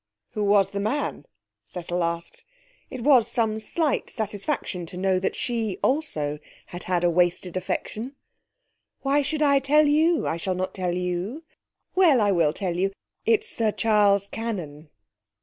'Who was the man?' Cecil asked. It was some slight satisfaction to know that she also had had a wasted affection. 'Why should I tell you? I shall not tell you. Well, I will tell you. It's Sir Charles Cannon.'